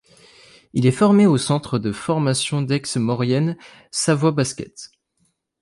Il est formé au centre de formation d'Aix Maurienne Savoie Basket.